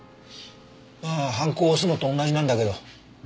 まあはんこを押すのと同じなんだけど。